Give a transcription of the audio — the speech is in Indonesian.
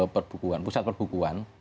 perbukuan pusat perbukuan